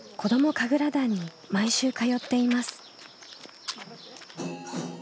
神楽団に毎週通っています。